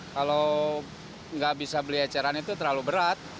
kalau nggak bisa beli eceran itu terlalu berat